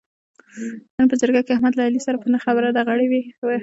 نن په جرګه کې احمد له علي سره په نه خبره ډغرې و وهلې.